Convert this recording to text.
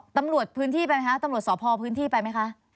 ตำรวจพื้นที่ไปไหมคะตำรวจสพพื้นที่ไปไหมคะ